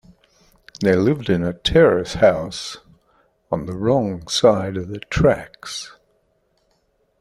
They lived in a terrace house, on the wrong side of the tracks